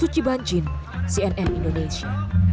kipan jin cnn indonesia